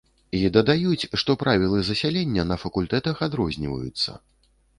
І дадаюць, што правілы засялення на факультэтах адрозніваюцца.